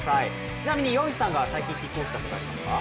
ちなみに岩渕さんが最近キックオフしたことありますか？